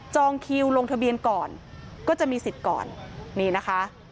คิวลงทะเบียนก่อนก็จะมีสิทธิ์ก่อนนี่นะคะ